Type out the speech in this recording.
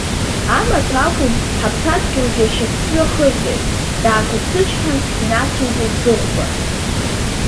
Амаҭәа акәым, ҳаԥсадгьылгьы ашьафҩы ахырҵеит, даақәыԥсычҳан, инациҵеит Зыхәба.